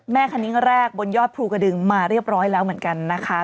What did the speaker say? คณิ้งแรกบนยอดภูกระดึงมาเรียบร้อยแล้วเหมือนกันนะคะ